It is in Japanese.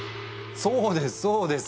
そうですそうです！